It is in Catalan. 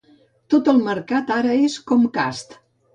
Tot el mercat ara és Comcast.